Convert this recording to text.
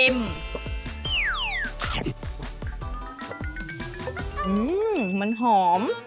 อ๋อมันหอม